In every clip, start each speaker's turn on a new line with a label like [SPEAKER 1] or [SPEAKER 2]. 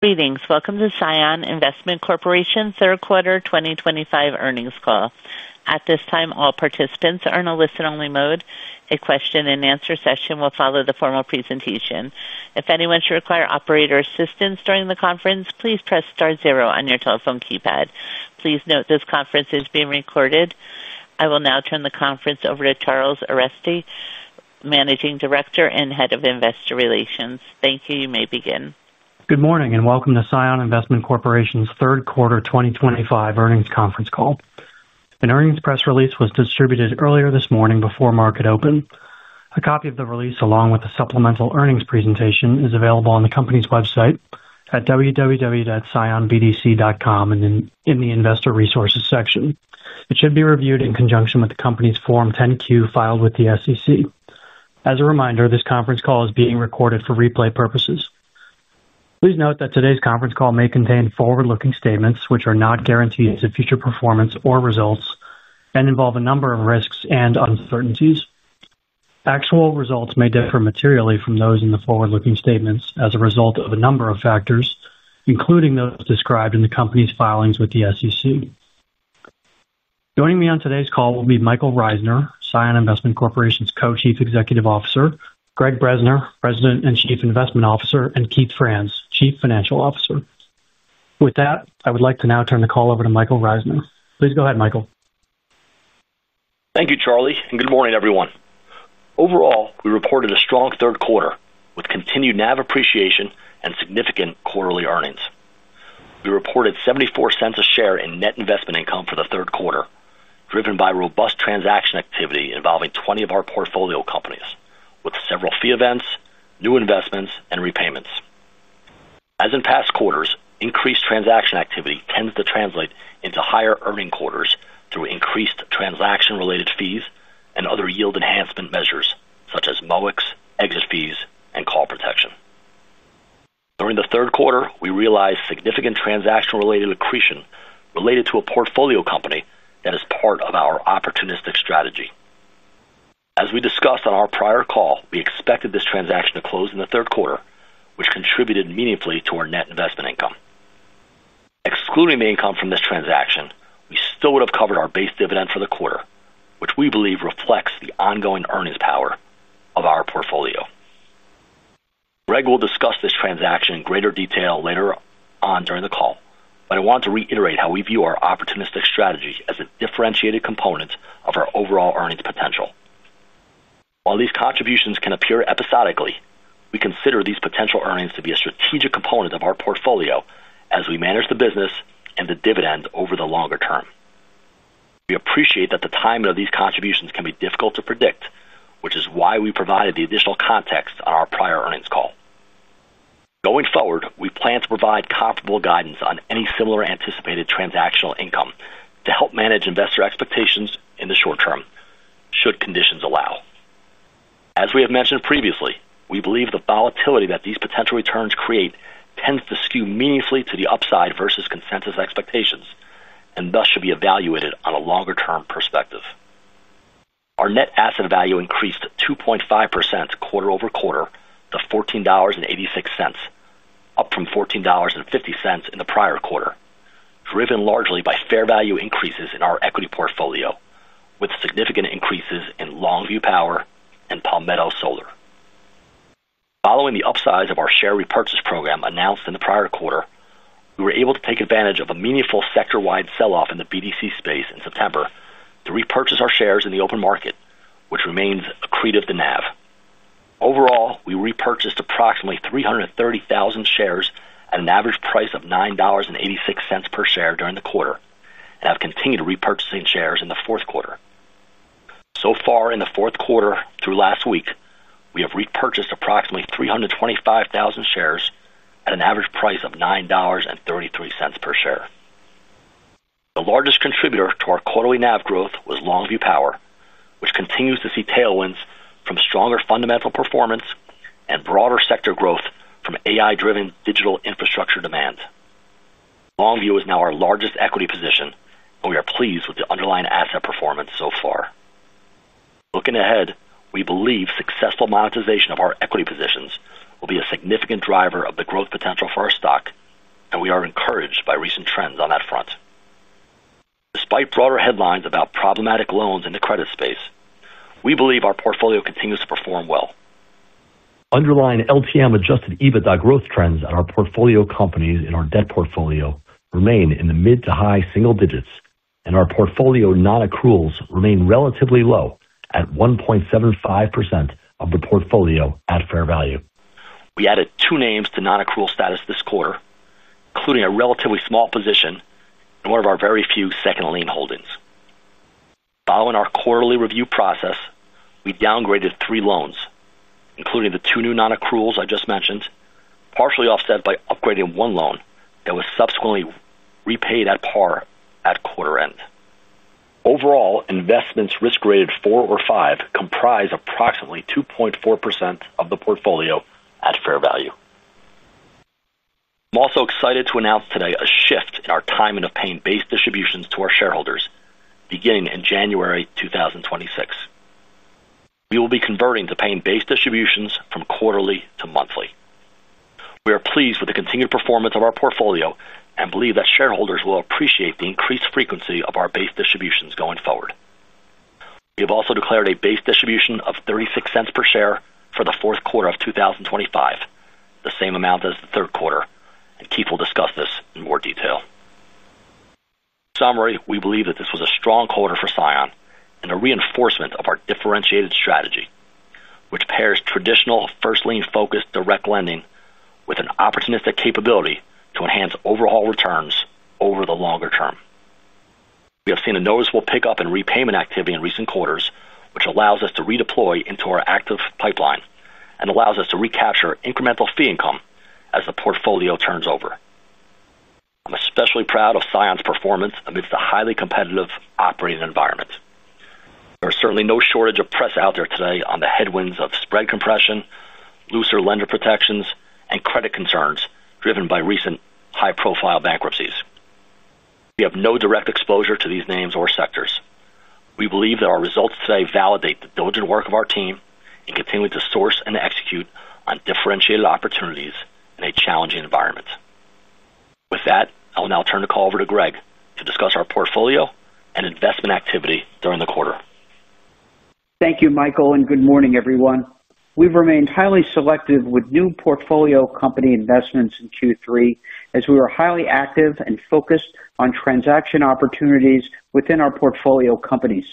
[SPEAKER 1] Greetings. Welcome to CION Investment Corporation's third-quarter 2025 earnings call. At this time, all participants are in a listen-only mode. A question-and-answer session will follow the formal presentation. If anyone should require operator assistance during the conference, please press star zero on your telephone keypad. Please note this conference is being recorded. I will now turn the conference over to Charles Arestia, Managing Director and Head of Investor Relations. Thank you. You may begin.
[SPEAKER 2] Good morning, and welcome to CION Investment Corporation's Third-Quarter 2025 Earnings Conference call. An earnings press release was distributed earlier this morning before market open. A copy of the release, along with the supplemental earnings presentation, is available on the company's website at www.CIONBDC.com and in the Investor Resources section. It should be reviewed in conjunction with the company's Form 10-Q filed with the SEC. As a reminder, this conference call is being recorded for replay purposes. Please note that today's conference call may contain forward-looking statements, which are not guarantees of future performance or results, and involve a number of risks and uncertainties. Actual results may differ materially from those in the forward-looking statements as a result of a number of factors, including those described in the company's filings with the SEC. Joining me on today's call will be Michael Reisner, CION Investment Corporation's Co-Chief Executive Officer, Gregg Bresner, President and Chief Investment Officer, and Keith Franz, Chief Financial Officer. With that, I would like to now turn the call over to Michael Reisner. Please go ahead, Michael.
[SPEAKER 3] Thank you, Charlie, and good morning, everyone. Overall, we reported a strong third quarter with continued NAV appreciation and significant quarterly earnings. We reported $0.74 a share in net investment income for the third quarter, driven by robust transaction activity involving 20 of our portfolio companies, with several fee events, new investments, and repayments. As in past quarters, increased transaction activity tends to translate into higher-earning quarters through increased transaction-related fees and other yield enhancement measures such as MOEX, exit fees, and call protection. During the third quarter, we realized significant transaction-related accretion related to a portfolio company that is part of our opportunistic strategy. As we discussed on our prior call, we expected this transaction to close in the third quarter, which contributed meaningfully to our net investment income. Excluding the income from this transaction, we still would have covered our base dividend for the quarter, which we believe reflects the ongoing earnings power of our portfolio. Gregg will discuss this transaction in greater detail later on during the call, but I want to reiterate how we view our opportunistic strategy as a differentiated component of our overall earnings potential. While these contributions can appear episodically, we consider these potential earnings to be a strategic component of our portfolio as we manage the business and the dividend over the longer term. We appreciate that the timing of these contributions can be difficult to predict, which is why we provided the additional context on our prior earnings call. Going forward, we plan to provide comparable guidance on any similar anticipated transactional income to help manage investor expectations in the short term, should conditions allow. As we have mentioned previously, we believe the volatility that these potential returns create tends to skew meaningfully to the upside versus consensus expectations and thus should be evaluated on a longer-term perspective. Our net asset value increased 2.5% quarter-over-quarter to $14.86, up from $14.50 in the prior quarter, driven largely by fair value increases in our equity portfolio, with significant increases in Longview Power and Palmetto Solar. Following the upsize of our share repurchase program announced in the prior quarter, we were able to take advantage of a meaningful sector-wide sell-off in the BDC space in September to repurchase our shares in the open market, which remains accretive to NAV. Overall, we repurchased approximately 330,000 shares at an average price of $9.86 per share during the quarter and have continued repurchasing shares in the fourth quarter. So far, in the fourth quarter through last week, we have repurchased approximately 325,000 shares at an average price of $9.33 per share. The largest contributor to our quarterly NAV growth was Longview Power, which continues to see tailwinds from stronger fundamental performance and broader sector growth from AI-driven digital infrastructure demand. Longview is now our largest equity position, and we are pleased with the underlying asset performance so far. Looking ahead, we believe successful monetization of our equity positions will be a significant driver of the growth potential for our stock, and we are encouraged by recent trends on that front. Despite broader headlines about problematic loans in the credit space, we believe our portfolio continues to perform well. Underlying LTM-adjusted EBITDA growth trends at our portfolio companies in our debt portfolio remain in the mid to high single digits, and our portfolio non-accruals remain relatively low at 1.75% of the portfolio at fair value. We added two names to non-accrual status this quarter, including a relatively small position in one of our very few second lien holdings. Following our quarterly review process, we downgraded three loans, including the two new non-accruals I just mentioned, partially offset by upgrading one loan that was subsequently repaid at par at quarter end. Overall, investments risk-rated four or five comprise approximately 2.4% of the portfolio at fair value. I'm also excited to announce today a shift in our timing of paying base distributions to our shareholders beginning in January 2026. We will be converting to paying base distributions from quarterly to monthly. We are pleased with the continued performance of our portfolio and believe that shareholders will appreciate the increased frequency of our base distributions going forward. We have also declared a base distribution of $0.36 per share for the fourth quarter of 2025, the same amount as the third quarter, and Keith will discuss this in more detail. In summary, we believe that this was a strong quarter for CION and a reinforcement of our differentiated strategy, which pairs traditional first lien-focused direct lending with an opportunistic capability to enhance overall returns over the longer term. We have seen a noticeable pickup in repayment activity in recent quarters, which allows us to redeploy into our active pipeline and allows us to recapture incremental fee income as the portfolio turns over. I'm especially proud of CION's performance amidst a highly competitive operating environment. There is certainly no shortage of press out there today on the headwinds of spread compression, looser lender protections, and credit concerns driven by recent high-profile bankruptcies. We have no direct exposure to these names or sectors. We believe that our results today validate the diligent work of our team in continuing to source and execute on differentiated opportunities in a challenging environment. With that, I will now turn the call over to Gregg to discuss our portfolio and investment activity during the quarter.
[SPEAKER 4] Thank you, Michael, and good morning, everyone. We've remained highly selective with new portfolio company investments in Q3 as we were highly active and focused on transaction opportunities within our portfolio companies.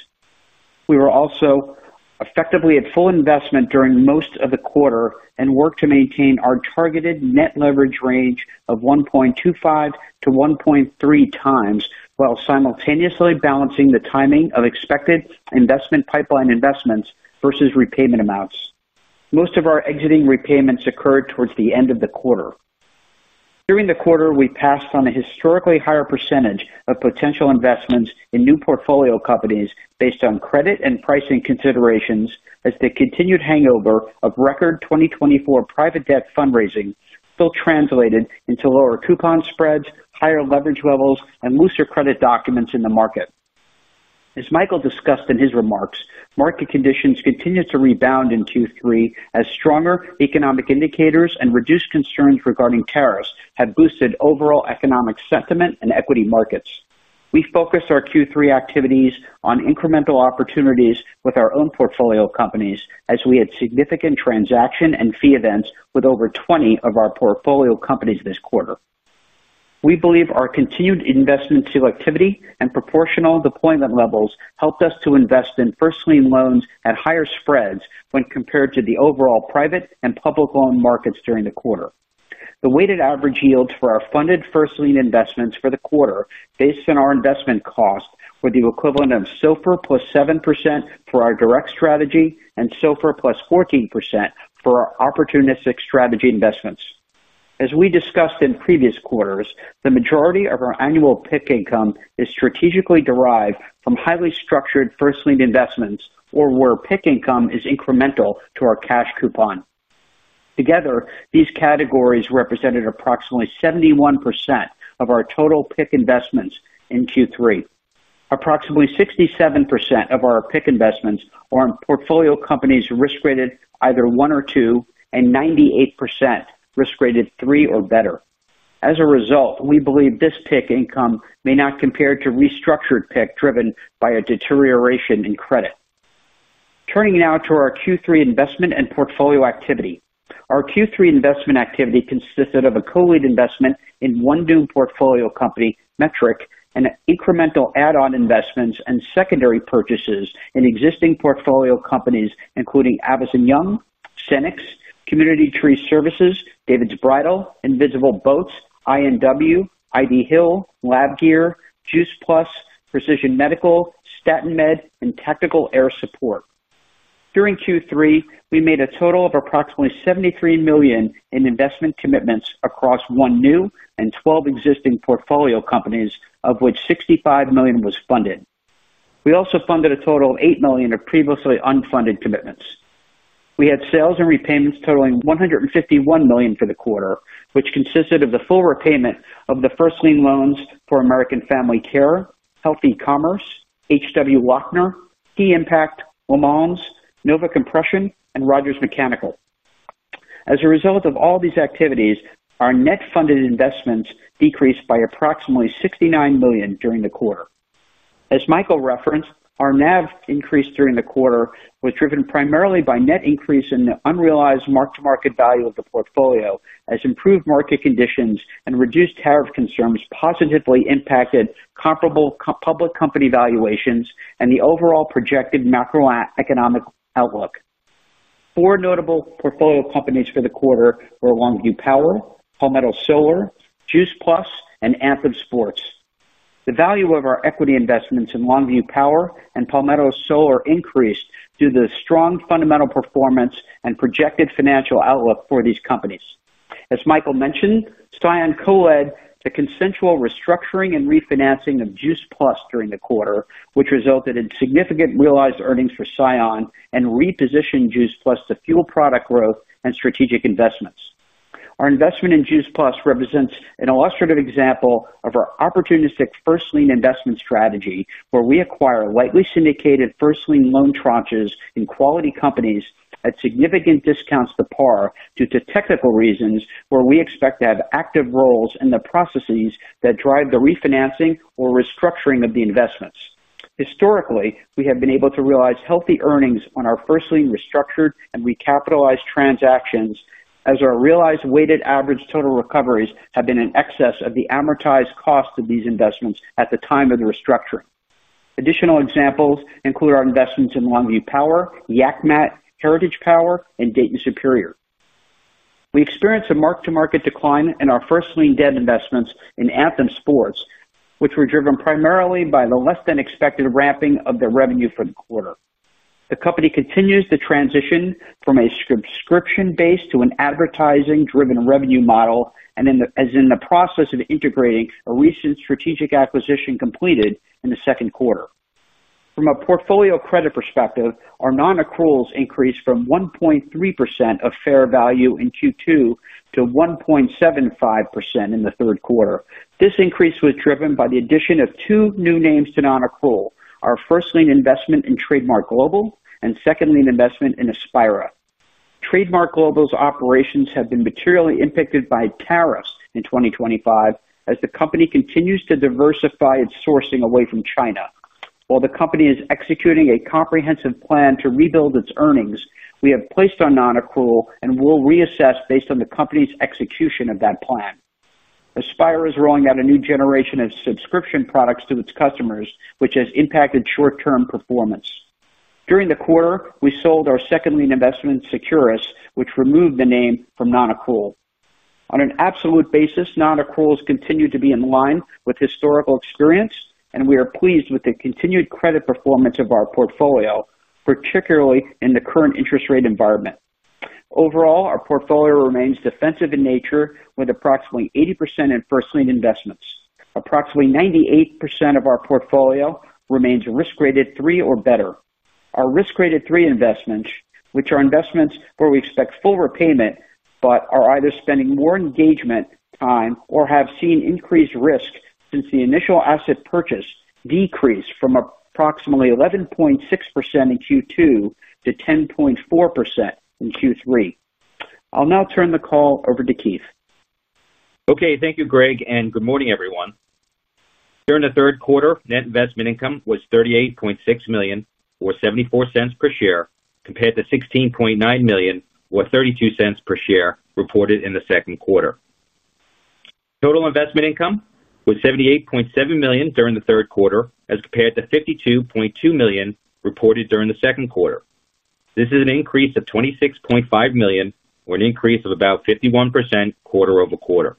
[SPEAKER 4] We were also effectively at full investment during most of the quarter and worked to maintain our targeted net leverage range of 1.25x–1.3x while simultaneously balancing the timing of expected investment pipeline investments versus repayment amounts. Most of our exiting repayments occurred towards the end of the quarter. During the quarter, we passed on a historically higher percentage of potential investments in new portfolio companies based on credit and pricing considerations as the continued hangover of record 2024 private debt fundraising still translated into lower coupon spreads, higher leverage levels, and looser credit documents in the market. As Michael discussed in his remarks, market conditions continued to rebound in Q3 as stronger economic indicators and reduced concerns regarding tariffs have boosted overall economic sentiment in equity markets. We focused our Q3 activities on incremental opportunities with our own portfolio companies as we had significant transaction and fee events with over 20 of our portfolio companies this quarter. We believe our continued investment selectivity and proportional deployment levels helped us to invest in first lien loans at higher spreads when compared to the overall private and public loan markets during the quarter. The weighted average yields for our funded first lien investments for the quarter based on our investment cost were the equivalent of SOFR +7% for our direct strategy and SOFR +14% for our opportunistic strategy investments. As we discussed in previous quarters, the majority of our annual PIK income is strategically derived from highly structured first lien investments or where PIK income is incremental to our cash coupon. Together, these categories represented approximately 71% of our total PIK investments in Q3. Approximately 67% of our PIK investments are in portfolio companies risk-rated either one or two, and 98% risk-rated three or better. As a result, we believe this PIK income may not compare to restructured PIK driven by a deterioration in credit. Turning now to our Q3 investment and portfolio activity. Our Q3 investment activity consisted of a co-lead investment in one new portfolio company, Metric, and incremental add-on investments and secondary purchases in existing portfolio companies, including Abbott & Young, Senix, Community Tree Services, David's Bridal, Invisible Boats, INW, I.D. Hill, LabGear, Juice Plus, Precision Medical, StatenMed, and Tactical Air Support. During Q3, we made a total of approximately $73 million in investment commitments across one new and 12 existing portfolio companies, of which $65 million was funded. We also funded a total of $8 million of previously unfunded commitments. We had sales and repayments totaling $151 million for the quarter, which consisted of the full repayment of the first lien loans for American Family Care, Health E-Commerce, H.W. Lochner, Key Impact, LeMonds, Nova Compression, and Rogers Mechanical. As a result of all these activities, our net funded investments decreased by approximately $69 million during the quarter. As Michael referenced, our NAV increase during the quarter was driven primarily by net increase in the unrealized mark-to-market value of the portfolio, as improved market conditions and reduced tariff concerns positively impacted comparable public company valuations and the overall projected macroeconomic outlook. Four notable portfolio companies for the quarter were Longview Power, Palmetto Solar, Juice Plus, and Anthem Sports. The value of our equity investments in Longview Power and Palmetto Solar increased due to the strong fundamental performance and projected financial outlook for these companies. As Michael mentioned, CION co-led the consensual restructuring and refinancing of Juice Plus during the quarter, which resulted in significant realized earnings for CION and repositioned Juice Plus to fuel product growth and strategic investments. Our investment in Juice Plus represents an illustrative example of our opportunistic first lien investment strategy, where we acquire lightly syndicated first lien loan tranches in quality companies at significant discounts to par due to technical reasons where we expect to have active roles in the processes that drive the refinancing or restructuring of the investments. Historically, we have been able to realize healthy earnings on our first lien restructured and recapitalized transactions, as our realized weighted average total recoveries have been in excess of the amortized cost of these investments at the time of the restructuring. Additional examples include our investments in Longview Power, YakMat, Heritage Power, and Dayton Superior. We experienced a mark-to-market decline in our first lien debt investments in Anthem Sports, which were driven primarily by the less-than-expected ramping of their revenue for the quarter. The company continues to transition from a subscription base to an advertising-driven revenue model, as in the process of integrating a recent strategic acquisition completed in the second quarter. From a portfolio credit perspective, our non-accruals increased from 1.3% of fair value in Q2 to 1.75% in the third quarter. This increase was driven by the addition of two new names to non-accrual: our first lien investment in Trademark Global and second lien investment in Aspira. Trademark Global's operations have been materially impacted by tariffs in 2025 as the company continues to diversify its sourcing away from China. While the company is executing a comprehensive plan to rebuild its earnings, we have placed our non-accrual and will reassess based on the company's execution of that plan. Aspira is rolling out a new generation of subscription products to its customers, which has impacted short-term performance. During the quarter, we sold our second lien investment, Securus, which removed the name from non-accrual. On an absolute basis, non-accruals continue to be in line with historical experience, and we are pleased with the continued credit performance of our portfolio, particularly in the current interest rate environment. Overall, our portfolio remains defensive in nature, with approximately 80% in first lien investments. Approximately 98% of our portfolio remains risk-rated three or better. Our risk-rated three investments, which are investments where we expect full repayment but are either spending more engagement time or have seen increased risk since the initial asset purchase, decreased from approximately 11.6% in Q2 to 10.4% in Q3. I'll now turn the call over to Keith.
[SPEAKER 5] Okay. Thank you, Gregg, and good morning, everyone. During the third quarter, net investment income was $38.6 million, or $0.74 per share, compared to $16.9 million, or $0.32 per share, reported in the second quarter. Total investment income was $78.7 million during the third quarter, as compared to $52.2 million reported during the second quarter. This is an increase of $26.5 million, or an increase of about 51% quarter-over-quarter.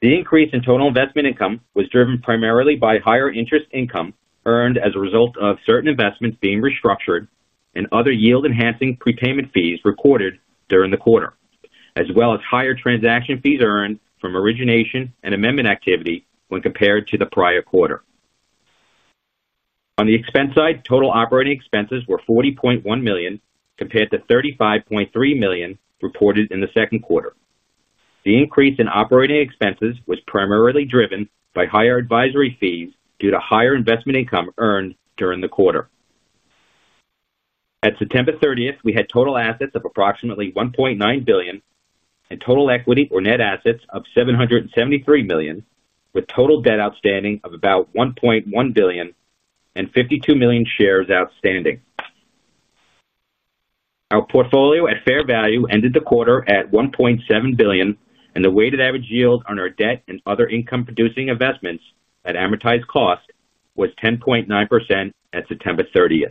[SPEAKER 5] The increase in total investment income was driven primarily by higher interest income earned as a result of certain investments being restructured and other yield-enhancing prepayment fees recorded during the quarter, as well as higher transaction fees earned from origination and amendment activity when compared to the prior quarter. On the expense side, total operating expenses were $40.1 million, compared to $35.3 million reported in the second quarter. The increase in operating expenses was primarily driven by higher advisory fees due to higher investment income earned during the quarter. At September 30, we had total assets of approximately $1.9 billion and total equity, or net assets, of $773 million, with total debt outstanding of about $1.1 billion and 52 million shares outstanding. Our portfolio at fair value ended the quarter at $1.7 billion, and the weighted average yield on our debt and other income-producing investments at amortized cost was 10.9% at September 30.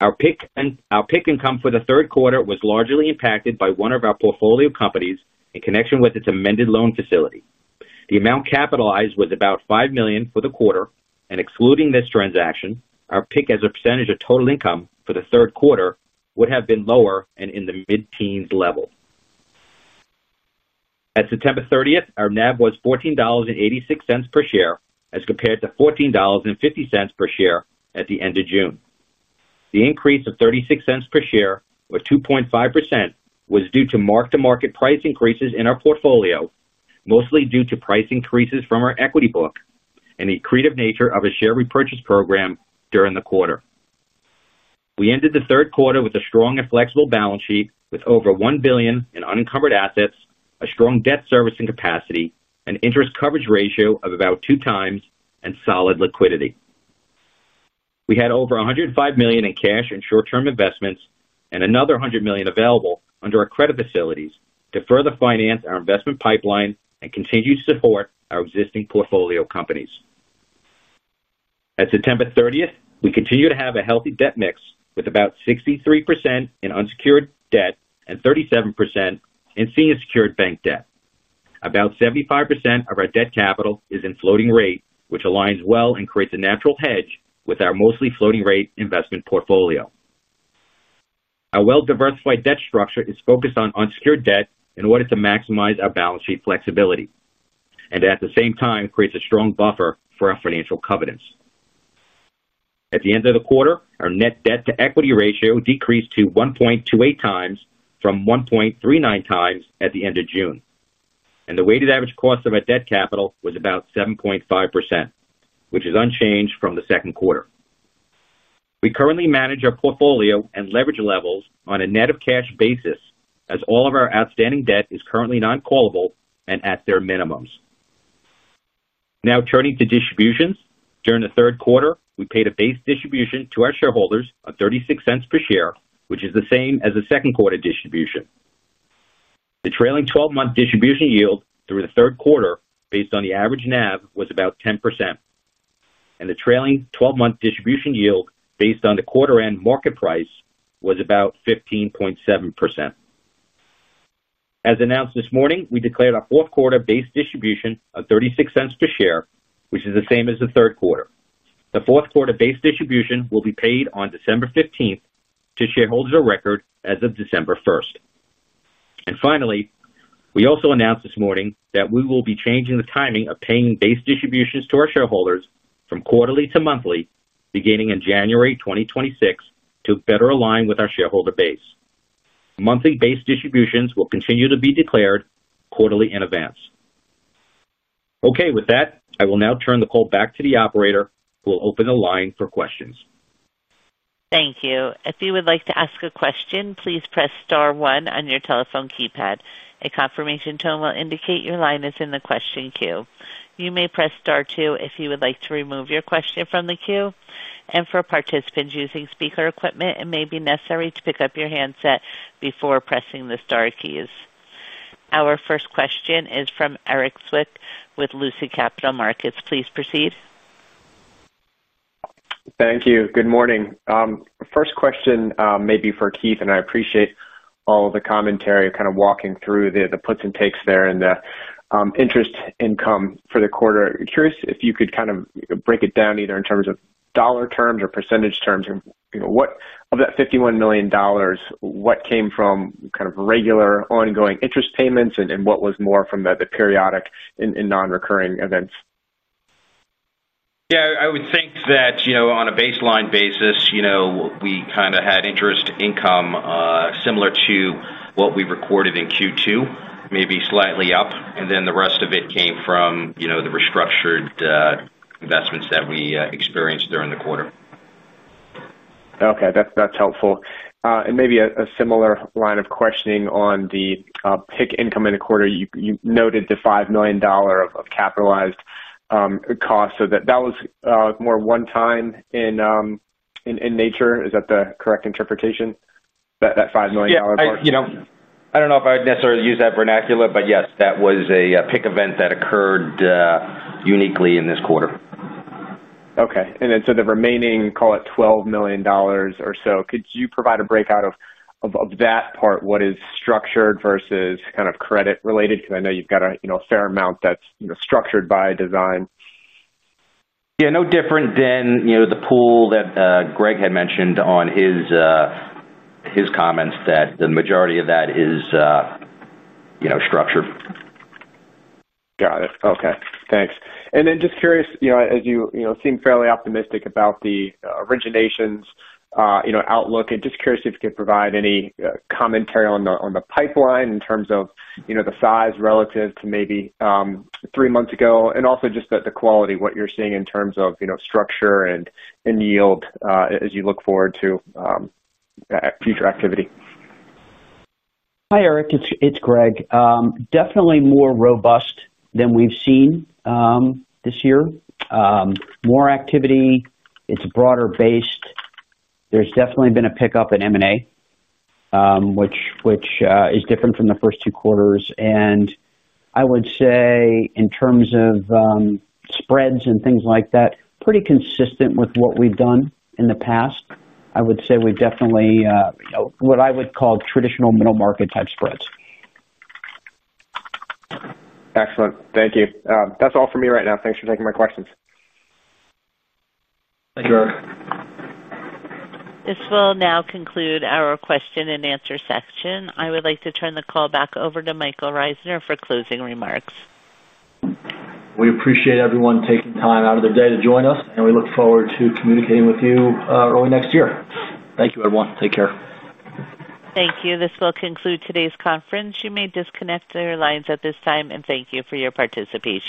[SPEAKER 5] Our PIK income for the third quarter was largely impacted by one of our portfolio companies in connection with its amended loan facility. The amount capitalized was about $5 million for the quarter, and excluding this transaction, our pick as a percentage of total income for the third quarter would have been lower and in the mid-teens level. At September 30th, our NAV was $14.86 per share, as compared to $14.50 per share at the end of June. The increase of 36 cents per share, or 2.5%, was due to mark-to-market price increases in our portfolio, mostly due to price increases from our equity book and the creative nature of a share repurchase program during the quarter. We ended the third quarter with a strong and flexible balance sheet, with over $1 billion in unencumbered assets, a strong debt servicing capacity, an interest coverage ratio of about two times, and solid liquidity. We had over $105 million in cash and short-term investments and another $100 million available under our credit facilities to further finance our investment pipeline and continue to support our existing portfolio companies. At September 30th, we continue to have a healthy debt mix, with about 63% in unsecured debt and 37% in senior secured bank debt. About 75% of our debt capital is in floating rate, which aligns well and creates a natural hedge with our mostly floating-rate investment portfolio. Our well-diversified debt structure is focused on unsecured debt in order to maximize our balance sheet flexibility and, at the same time, creates a strong buffer for our financial covenants. At the end of the quarter, our net debt to equity ratio decreased to 1.28x from 1.39x at the end of June, and the weighted average cost of our debt capital was about 7.5%, which is unchanged from the second quarter. We currently manage our portfolio and leverage levels on a net of cash basis, as all of our outstanding debt is currently non-callable and at their minimums. Now, turning to distributions, during the third quarter, we paid a base distribution to our shareholders of $0.36 per share, which is the same as the second quarter distribution. The trailing 12-month distribution yield through the third quarter, based on the average NAV, was about 10%. The trailing 12-month distribution yield, based on the quarter-end market price, was about 15.7%. As announced this morning, we declared our fourth quarter base distribution of $0.36 per share, which is the same as the third quarter. The fourth quarter base distribution will be paid on December 15th to shareholders of record as of December 1st. Finally, we also announced this morning that we will be changing the timing of paying base distributions to our shareholders from quarterly to monthly, beginning in January 2026, to better align with our shareholder base. Monthly base distributions will continue to be declared quarterly in advance. Okay. With that, I will now turn the call back to the operator who will open the line for questions.
[SPEAKER 1] Thank you. If you would like to ask a question, please press star one on your telephone keypad. A confirmation tone will indicate your line is in the question queue. You may press star two if you would like to remove your question from the queue. For participants using speaker equipment, it may be necessary to pick up your handset before pressing the Star keys. Our first question is from Erik Zwick with Lucid Capital Markets. Please proceed.
[SPEAKER 6] Thank you. Good morning. First question may be for Keith, and I appreciate all of the commentary kind of walking through the puts and takes there and the interest income for the quarter. Curious if you could kind of break it down either in terms of dollar terms or percentage terms. Of that $51 million, what came from kind of regular ongoing interest payments, and what was more from the periodic and non-recurring events?
[SPEAKER 5] Yeah. I would think that on a baseline basis, we kind of had interest income similar to what we recorded in Q2, maybe slightly up, and then the rest of it came from the restructured investments that we experienced during the quarter.
[SPEAKER 6] Okay. That's helpful. Maybe a similar line of questioning on the PIK income in the quarter, you noted the $5 million of capitalized cost. That was more one-time in nature. Is that the correct interpretation, that $5 million?
[SPEAKER 5] Yeah. I do not know if I would necessarily use that vernacular, but yes, that was a pick event that occurred. Uniquely in this quarter.
[SPEAKER 6] Okay. And then the remaining, call it $12 million or so, could you provide a breakout of that part, what is structured versus kind of credit-related? Because I know you've got a fair amount that's structured by design.
[SPEAKER 5] Yeah. No different than the pool that Gregg had mentioned on his comments that the majority of that is structured.
[SPEAKER 6] Got it. Okay. Thanks. Just curious, as you seem fairly optimistic about the originations outlook, just curious if you could provide any commentary on the pipeline in terms of the size relative to maybe three months ago, and also just the quality, what you're seeing in terms of structure and yield as you look forward to future activity.
[SPEAKER 4] Hi, Erik. It's Gregg. Definitely more robust than we've seen this year. More activity. It's broader based. There's definitely been a pickup in M&A, which is different from the first two quarters. I would say in terms of spreads and things like that, pretty consistent with what we've done in the past. I would say we've definitely what I would call traditional middle-market-type spreads.
[SPEAKER 6] Excellent. Thank you. That's all for me right now. Thanks for taking my questions.
[SPEAKER 5] Thank you.
[SPEAKER 1] This will now conclude our question-and-answer section. I would like to turn the call back over to Michael Reisner for closing remarks.
[SPEAKER 3] We appreciate everyone taking time out of their day to join us, and we look forward to communicating with you early next year. Thank you, everyone. Take care.
[SPEAKER 1] Thank you. This will conclude today's conference. You may disconnect our lines at this time, and thank you for your participation.